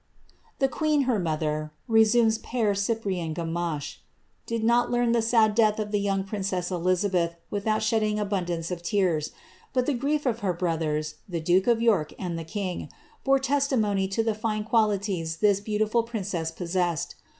"' *^The queen, her mother," resumes Pere Cyprian Gamache,* ^d learn the sad death of the young princess Elizabeth without she abundance of tears ; but the grief of her brothers, the duke of Tor the king, bore testimony to the fine qualities this beautiful princeai aessed.